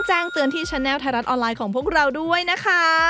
แจ้งเตือนที่แชนแลลไทยรัฐออนไลน์ของพวกเราด้วยนะคะ